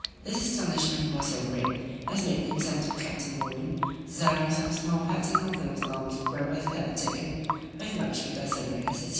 This astonishment was so great, as made him send to Captain Morgan, desiring some small pattern of those arms wherewith he had taken with much vigour so great a city.